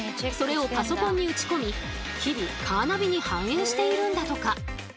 それをパソコンに打ち込み日々カーナビに反映しているんだとか。